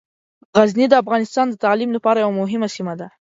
غزني د افغانستان د تعلیم لپاره یوه مهمه سیمه ده.